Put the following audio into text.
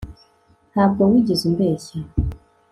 ntabwo wigeze umbeshya